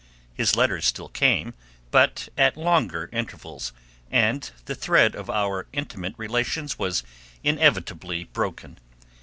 His letters still came, but at longer intervals, and the thread of our intimate relations was inevitably broken.